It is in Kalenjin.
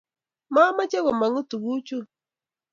mamoche komongu tuguu chuu.